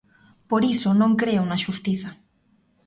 Por iso non creo na Xustiza.